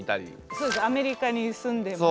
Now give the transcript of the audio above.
そうですねアメリカに住んでました。